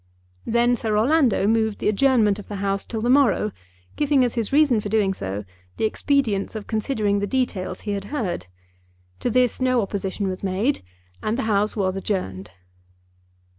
Then Sir Orlando moved the adjournment of the House till the morrow, giving as his reason for doing so the expedience of considering the details he had heard. To this no opposition was made, and the House was adjourned.